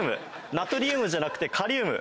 ナトリウムじゃなくてカリウム。